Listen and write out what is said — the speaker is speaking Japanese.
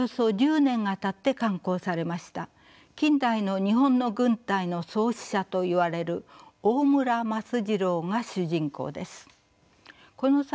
近代の日本の軍隊の創始者といわれる大村益次郎が主人公です。